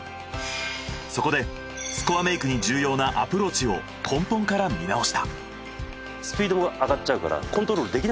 そこでスコアメイクに重要なアプローチを根本から見直した。